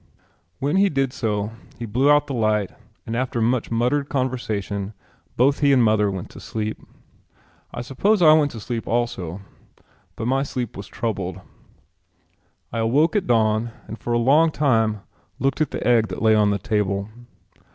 When he did so he blew out the light and after much muttered conversation both he and mother went to sleep. I suppose I went to sleep also, but my sleep was troubled. I awoke at dawn and for a long time looked at the egg that lay on the table.